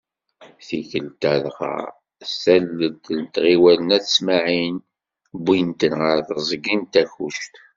Tikkelt-a dɣa, s tallelt n tɣiwant n At Smaɛel, wwin-ten ɣer teẓgi n Takkuct.